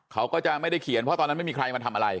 เขาก็จะไม่ได้เขียนเพราะตอนนั้นไม่มีใครมาทำอะไร